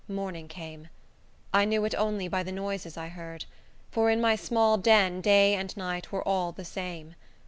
Morning came. I knew it only by the noises I heard; for in my small den day and night were all the same.